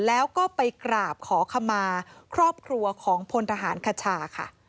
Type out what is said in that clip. แล้วก็ไปกราบขอขมาครอบครัวของพลทหารคชาค่ะ